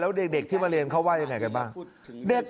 แล้วเด็กที่มาเรียนเขาว่ายังไงกันบ้าง